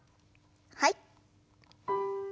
はい。